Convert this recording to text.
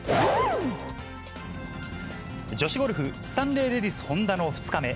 女子ゴルフ、スタンレーレディスホンダの２日目。